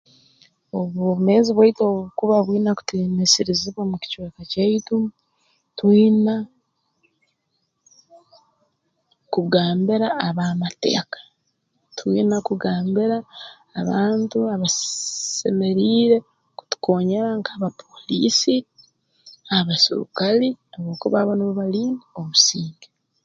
Obwomeezi bwaitu obu bukuba bwina kutiinisirizibwa mu kicweka kyaitu twina kugambira ab'amateeka twina kugambira abantu abasii semeriire kutukoonyera nk'abapooliisi abasurukali habwokuba abo nubo balinda obusinge